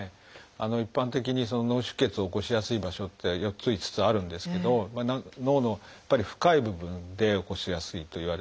一般的に脳出血を起こしやすい場所っていうのは４つ５つあるんですけど脳のやっぱり深い部分で起こしやすいといわれています。